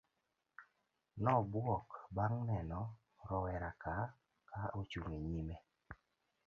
nobuok bang' neno roweraka ka ochung' e nyime